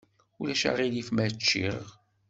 Ulac aɣilif ma ččiɣ?